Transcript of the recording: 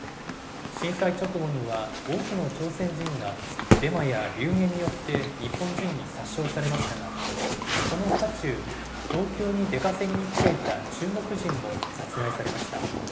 震災直後には多くの朝鮮人が、デマや流言によって、日本人に殺傷されましたが、その渦中、東京に出稼ぎに来ていた中国人も殺害されました。